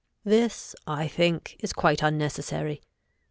This, I think, is quite unnecessary.